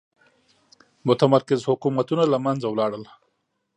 متمرکز حکومتونه له منځه لاړل.